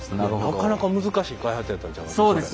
なかなか難しい開発やったんちゃいます？